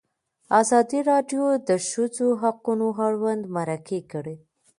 ازادي راډیو د د ښځو حقونه اړوند مرکې کړي.